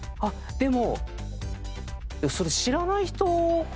でも。